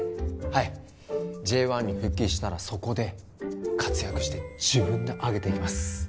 はいＪ１に復帰したらそこで活躍して自分で上げていきます